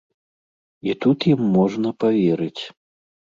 І тут ім можна паверыць.